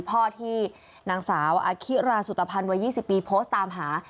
พ่อที่นางสาวอคิราสุตภัณฑ์วัย๒๐ปีโพสต์ตามหา